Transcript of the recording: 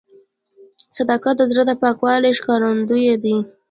صداقت د زړه د پاکوالي ښکارندوی دی.